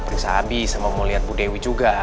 periksa abi sama mau liat bu dewi juga